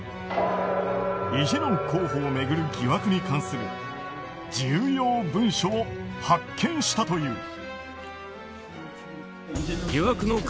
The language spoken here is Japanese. イ・ジェミョン候補を巡る疑惑に関する重要文書を発見したという。